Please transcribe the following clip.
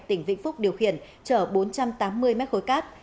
tàu vĩnh phúc điều khiển trở bốn trăm tám mươi m khối cát